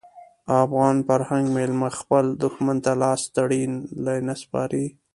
افغان فرهنګ میلمه خپل دښمن ته لاس تړلی نه سپاري.